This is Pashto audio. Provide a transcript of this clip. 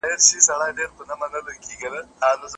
سوځلی مي باروتو د تنکۍ حوري اوربل دی